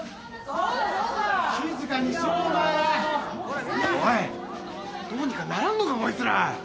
おいどうにかならんのかこいつら。